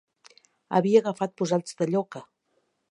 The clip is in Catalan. Havia agafat posats de lloca.